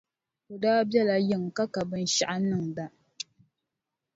O daa biɛla yiŋa ka ka binshɛɣu n-niŋda.